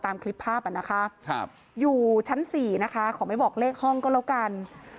ตามคลิปภาพอ่ะนะคะอยู่ชั้น๔นะคะขอไม่บอกเลขห้องก็แล้วกัน